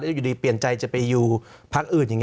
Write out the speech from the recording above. แล้วอยู่ดีเปลี่ยนใจจะไปอยู่พักอื่น